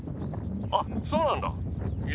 あっそうなんだ。